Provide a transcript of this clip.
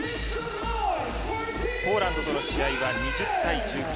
ポーランドの試合は２０対１９。